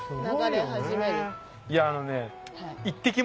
いやあのね。